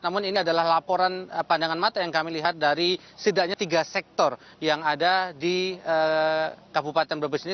namun ini adalah laporan pandangan mata yang kami lihat dari setidaknya tiga sektor yang ada di kabupaten brebes ini